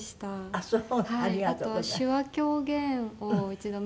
あっそう。